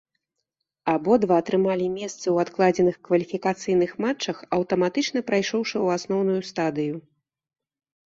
Абодва атрымалі месцы ў адкладзеных кваліфікацыйных матчах, аўтаматычна прайшоўшы ў асноўную стадыю.